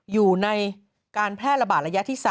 อยู่ในการแพร่ระบาดระยะที่๓